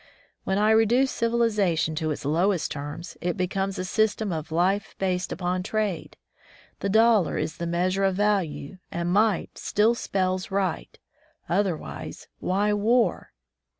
When I reduce civilization to its lowest terms, it becomes a system of life based upon trade. The dollar is the measure of value, and might still spells right; otherwise, why war?